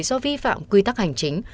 do vi phạm quy tắc hành chính